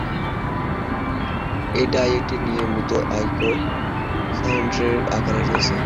এই ডাই একটি নিয়মিত আইকোসাহেড্রনের আকারে আছে।